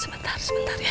sebentar sebentar ya